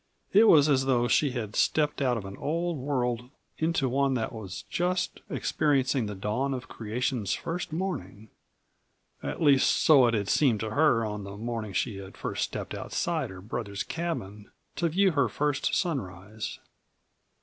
It was as though she had stepped out of an old world into one that was just experiencing the dawn of creation's first morning. At least so it had seemed to her on the morning she had first stepped outside her brother's cabin to view her first sunrise.